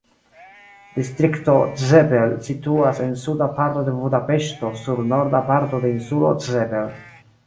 Distrikto Csepel situas en suda parto de Budapeŝto sur norda parto de Insulo Csepel.